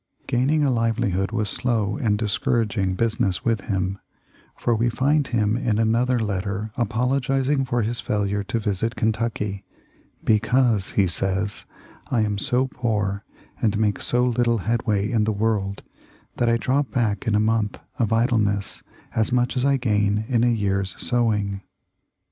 Gaining a livelihood was slow and discour aging business with him, for we find him in another letter apologizing for his failure to visit Kentucky, "because," he says, "I am so poor and make so lit tle headway in the world that I drop back in a month of idleness as much as I gain in a year's sow ing."